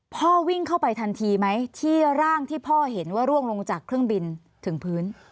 พ่อวิ่งเข้าไปทันทีไหมที่ร่างที่พ่อเห็นว่าร่วงลงจากเครื่องบินถึงพื้น